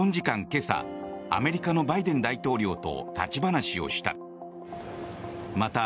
今朝アメリカのバイデン大統領と立ち話をした。